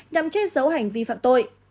nhằm chế giấu hành vi phạm tội